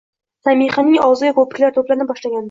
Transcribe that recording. Samihaning og'ziga ko'piklar to'plana boshlagandi.